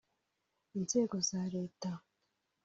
inzego za Leta